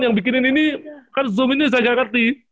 yang bikinin ini kan zoom ini saya gak ngerti